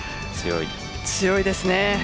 強いですね。